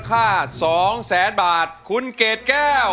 ผู้เจ็บหรือดี